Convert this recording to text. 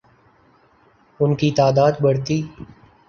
ان کی تعداد بڑھتی